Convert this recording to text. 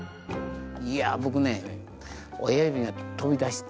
いや僕ねあ。